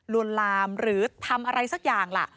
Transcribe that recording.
วนลามหรือทำอะไรสักอย่างล่ะ